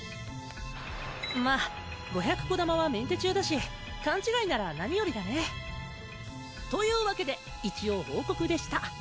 ま５００こだまはメンテ中だし勘違いなら何よりだね！というわけで一応報告でした！